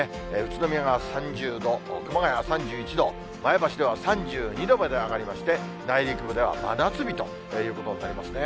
宇都宮が３０度、熊谷が３１度、前橋では３２度まで上がりまして、内陸部では真夏日ということになりますね。